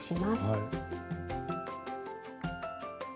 はい。